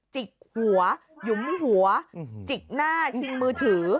จิกหัวหยุมหัวจิกหน้าชิงมือถือ